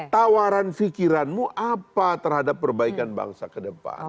tawaran pikiranmu apa terhadap perbaikan bangsa kedepan